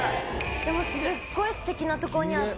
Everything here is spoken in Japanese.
でも、すごいすてきな所にあって。